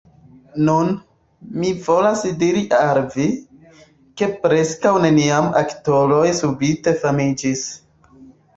Nun, mi volas diri al vi, ke preskaŭ neniam aktoroj subite famiĝis.